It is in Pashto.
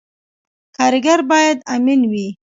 کارګر باید امین وي